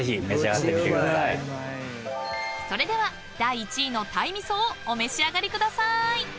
［それでは第１位の鯛味噌をお召し上がりくださーい！］